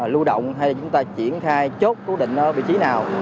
lưu động hay chúng ta triển khai chốt cố định vị trí nào